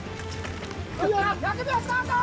１００秒スタート！